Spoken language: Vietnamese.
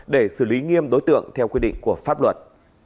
để xử lý nghiêm đối tượng theo quy định của pháp luật